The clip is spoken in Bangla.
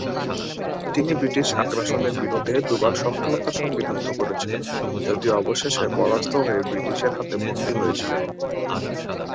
তিনি ব্রিটিশ আগ্রাসনের বিরুদ্ধে দু'বার সফলতার সঙ্গে যুদ্ধ করেছিলেন, যদিও অবশেষে পরাস্ত হয়ে ব্রিটিশের হাতে বন্দী হয়েছিলেন।